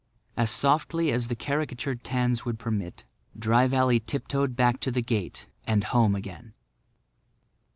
As softly as the caricatured tans would permit, Dry Valley tiptoed back to the gate and home again.